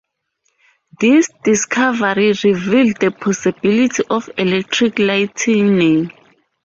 This discovery revealed the possibility of electric lighting.